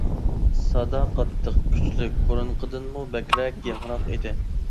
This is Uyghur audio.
سادا قاتتىق، كۈچلۈك، بۇرۇنقىدىنمۇ بەكرەك ياڭراق ئىدى.